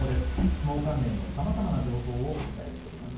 相撲関連のさまざまな情報をお伝えしています。